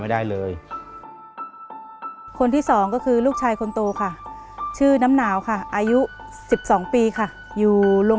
เปลี่ยนเพลงเพลงเก่งของคุณและข้ามเพลงนี้ไปเลย